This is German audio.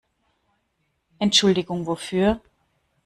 Entschuldigung wofür?